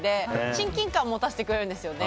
親近感を持たせてくれるんですよね。